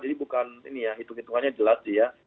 jadi bukan ini ya hitung hitungannya jelas sih ya